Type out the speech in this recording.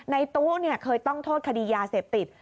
ในตู้เคยต้องโทษคดียาเสพติด